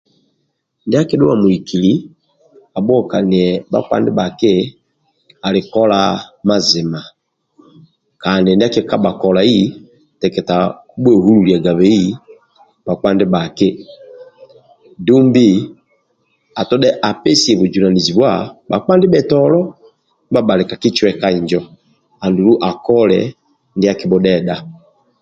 Ndia ki duwa muhikili abuhokaniye bakpa ndibaki ali kola mazima kandi ndia kikaba kolai akiteketa kubwe hululyabe bakpa ndi baki dumbi atodhe apesiye bujunanizibwa bakpa ndibhetolo ndibali ka kicweka injo andulu akole ndia kibudhedha